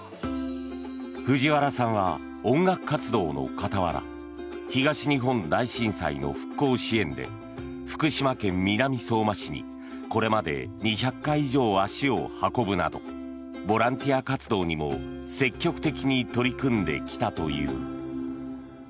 藤原さんは音楽活動の傍ら東日本大震災の復興支援で福島県南相馬市にこれまで２００回以上足を運ぶなどボランティア活動にも積極的に取り組んできたという。